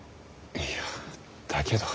いやだけど。